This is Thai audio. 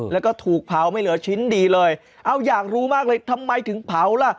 แล้วก็ถูกเผาไม่เหลือชิ้นดีเลยเอ้าอยากรู้มากเลยทำไมถึงเผาล่ะ